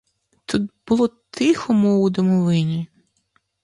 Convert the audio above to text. Тут було тихо, мов у домовині.